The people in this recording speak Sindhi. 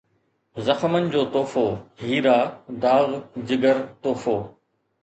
زخمن جو تحفو ، هيرا ، داغ ، جگر ، تحفو